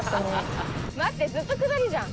待ってずっと下りじゃん。